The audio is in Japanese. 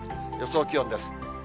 予想気温です。